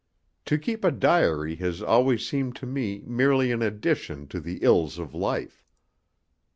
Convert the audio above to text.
To keep a diary has always seemed to me merely an addition to the ills of life.